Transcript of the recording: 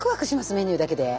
メニューだけで。